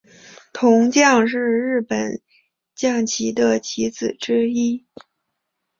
铜将是日本将棋的棋子之一。